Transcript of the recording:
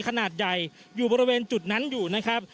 ขนาดใหญ่อยู่บริเวณจุดนั้นอยู่นะครับ